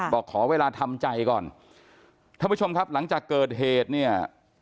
บอกขอเวลาทำใจก่อนท่านผู้ชมครับหลังจากเกิดเหตุเนี่ย